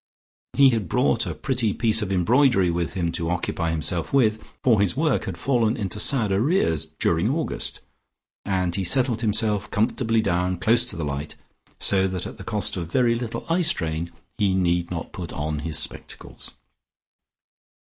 He had brought a pretty piece of embroidery with him to occupy himself with, for his work had fallen into sad arrears during August, and he settled himself comfortably down close to the light, so that at the cost of very little eye strain, he need not put on his spectacles.